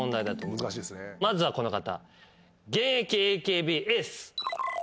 まずはこの方。